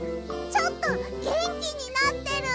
ちょっとげんきになってる！